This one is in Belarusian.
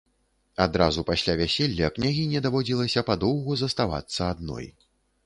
Адразу пасля вяселля княгіні даводзілася падоўгу заставацца адной.